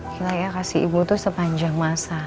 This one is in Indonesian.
gila ya kasih ibu tuh sepanjang masa